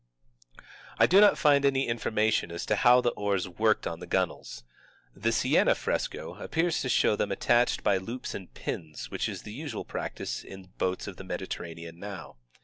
^ I do not find any information as to how the oars worked on the gunnels. The Siena fresco (see p. jj) appears to show them attached by loops and pins, which is the usual practice in boats of the Mediterranean now.